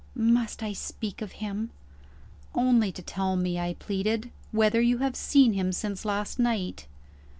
"Must I speak of him?" "Only to tell me," I pleaded, "whether you have seen him since last night."